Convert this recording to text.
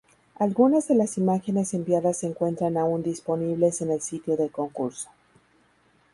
Algunas de las imágenes enviadas se encuentran aún disponibles en el sitio del concurso.